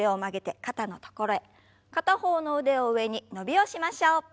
片方の腕を上に伸びをしましょう。